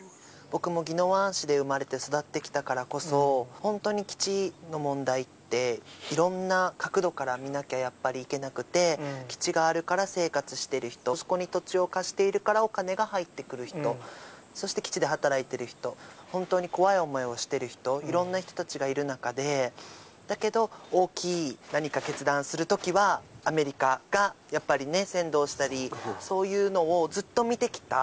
僕も宜野湾市で生まれて育ってきたからこそ、本当に基地の問題って、いろんな角度から見なきゃ、やっぱりいけなくて、基地があるから生活してる人、そこに土地を貸しているからお金が入ってくる人、そして基地で働いている人、本当に怖い思いをしてる人、いろんな人たちがいる中で、だけど、大きい何か決断するときは、アメリカがやっぱりね、先導したり、そういうのをずっと見てきた。